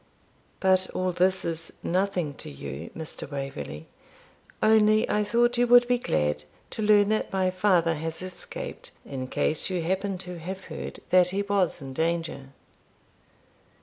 But all this is nothing to you, Mr. Waverley, only I thought you would be glad to learn that my father has escaped, in case you happen to have heard that he was in danger.